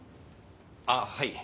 あぁはい。